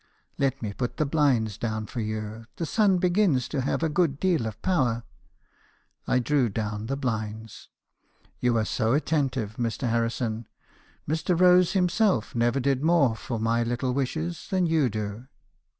" 'Let me put the blinds down for you; the sun begins to have a good deal of power.' I drew down the blinds. "'You are so attentive, Mr. Harrison. Mr. Rose himself never did more for my little wishes than you do.'